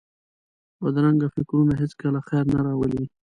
بدرنګه فکرونه هېڅکله خیر نه راولي